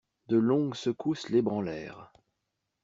De longues secousses l'ébranlèrent.